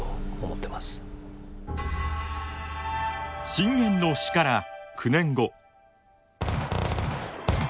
信玄の死から９年後。